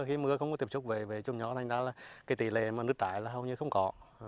khi mưa không có tiếp xúc về trùm nho thành ra là cái tỷ lệ mà nứt trái là hầu như không có